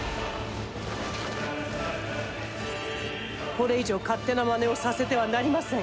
これ以上勝手なまねをさせてはなりません。